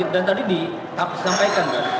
dan tadi di sampaikan